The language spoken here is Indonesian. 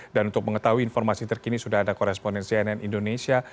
dan untuk mengetahui informasi terkini sudah ada koresponden cnn indonesia